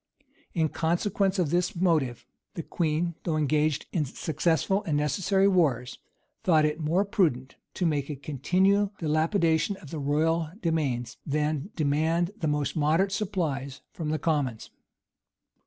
In consequence of this motive, the queen, though engaged in successful and necessary wars, thought it more prudent to make a continual dilapidation of the royal demesnes,[*] than demand the most moderate supplies from the commons.